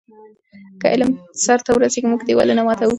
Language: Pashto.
که علم سرته ورسیږي، موږ دیوالونه ماتوو.